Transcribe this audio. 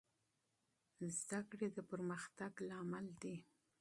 علم د پرمختګ لامل دی.